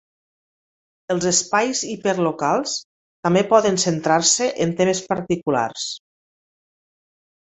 Els espais hiperlocals també poden centrar-se en temes particulars.